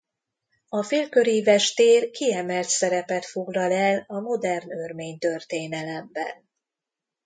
A félköríves tér kiemelt szerepet foglal el a modern örmény történelemben.